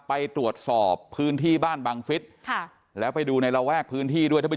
ไปตรวจสอบพื้นที่บ้านบางฟิสแล้วไปดูในละแวกพื้นที่ด้วย